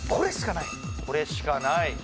これしかないね